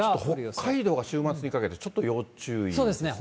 ちょっと北海道が週末にかけて、ちょっと要注意ですね。